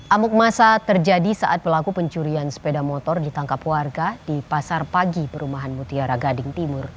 amuk masa terjadi saat pelaku pencurian sepeda motor ditangkap warga di pasar pagi perumahan mutiara gading timur